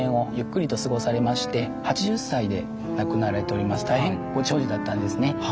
はいここが大変ご長寿だったんですね。